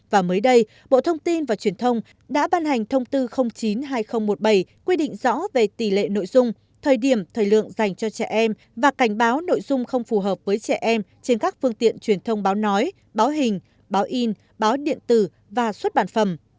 và mới đây bộ thông tin và truyền thông đã ban hành thông tư chín hai nghìn một mươi bảy quy định rõ về tỷ lệ nội dung thời điểm thời lượng dành cho trẻ em và cảnh báo nội dung không phù hợp với trẻ em trên các phương tiện truyền thông báo nói báo hình báo in báo điện tử và xuất bản phẩm